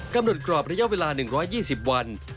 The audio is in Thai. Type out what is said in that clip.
กำหนดกรอบระยะเวลา๑๒๐วัน